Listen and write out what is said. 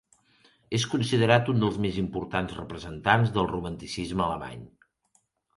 És considerat un dels més importants representants del romanticisme alemany.